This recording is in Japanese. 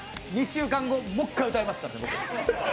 ２週間後、もう１回歌いますから、僕。